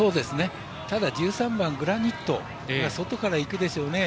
ただ１３番グラニットが外からいくでしょうね。